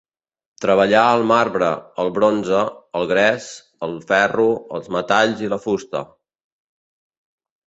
Treballà el marbre, el bronze, el gres, el ferro, els metalls i la fusta.